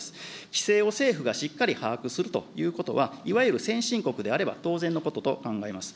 規制を政府がしっかり把握するということは、いわゆる先進国であれば当然のことと考えます。